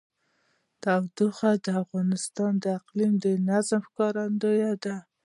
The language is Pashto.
تودوخه د افغانستان د اقلیمي نظام ښکارندوی ده.